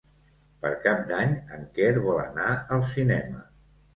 Per Cap d'Any en Quel vol anar al cinema.